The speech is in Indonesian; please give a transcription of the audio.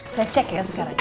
saya cek ya sekarang